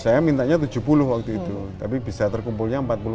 saya mintanya tujuh puluh waktu itu tapi bisa terkumpulnya empat puluh lima